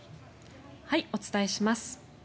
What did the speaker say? お伝えします。